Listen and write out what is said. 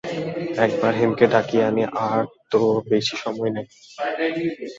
একবার হেমকে ডাকিয়া আনি, আর তো বেশি সময় নাই।